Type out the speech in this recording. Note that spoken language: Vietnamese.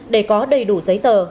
để có đầy đủ giấy tờ